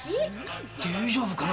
大丈夫かな？